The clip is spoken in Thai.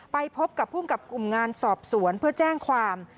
ไปพบกับภูมิกับกลุ่มงานสอบสวนเพื่อแจ้งความ